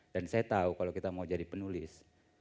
dan saya tahu kalau kita mau jadi penulis